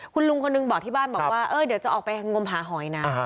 คุณลุงคนหนึ่งบอกที่บ้านบอกว่าเดี๋ยวจะออกไปงมหาหอยนะ